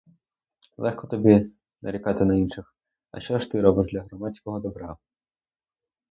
Легко тобі нарікати на інших, а що ж ти робиш для громадського добра?